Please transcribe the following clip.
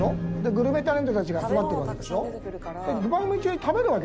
グルメタレントたちが集まってるわけでしょ？